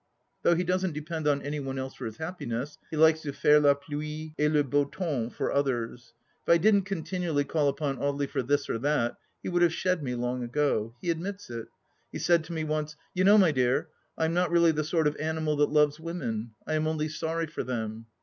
Though he doesn't depend on any one else for his happiness, he likes to faire la pluie et le beau temps for others. If I didn't continually call upon Audely for this or that, he would have shed me long ago. He admits it. He said to me once :" You know, my dear, I am not really the sort of animal that loves women. I am only sorry for them."